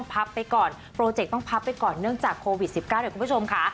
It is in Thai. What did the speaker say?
โปรเจ็ตต้องพับไปก่อนเนื่องจากโควิด๑๙อะคุณผู้ชมค่ะ